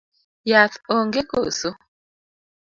Yath onge koso?